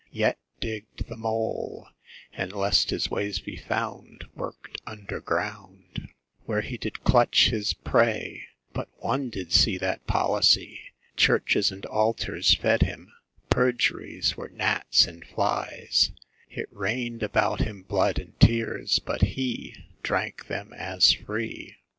Yet digg'd the mole, and lest his ways be found Work'd under ground, Where he did clutch his prey, but one did see That policy, Churches and altars fed him, perjuries Were gnats and flies, It rain'd about him blood and tears, but he Drank them as free.